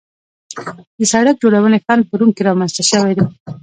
د سړک جوړونې فن په روم کې رامنځته شوی دی